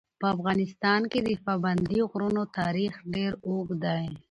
په افغانستان کې د پابندي غرونو تاریخ ډېر اوږد دی.